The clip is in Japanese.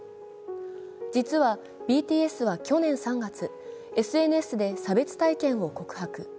実は、ＢＴＳは去年３月、ＳＮＳで差別体験を告白。